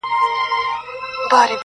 شیدې مستې او کوچنی خواړه دي.